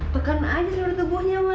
tekan aja seluruh tubuhnya ma